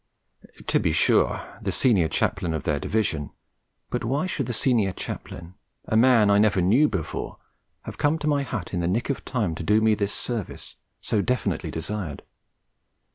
To be sure, the Senior Chaplain of their Division; but why should the Senior Chaplain, a man I never saw before, have come to my hut in the nick of time to do me this service, so definitely desired?